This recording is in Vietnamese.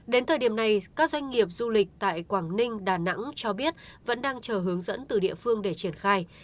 đến thời điểm này các doanh nghiệp du lịch tại quảng ninh đà nẵng cho biết vẫn đang chờ hướng dẫn từ địa phương để triển khai